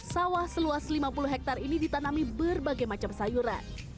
sawah seluas lima puluh hektare ini ditanami berbagai macam sayuran